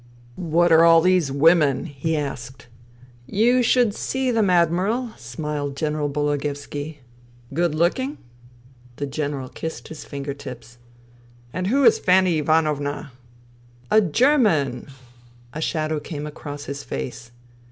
" What are all these women ?" he asked. " You should see them. Admiral," smiled General Bologoevski. " Good looking ?" The General kissed his finger tips. " And who is Fanny Ivanovna ?" A German." A shadow came across his face.